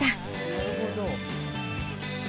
なるほど。